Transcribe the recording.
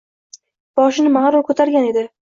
Boshini mag‘rur ko‘targan edi.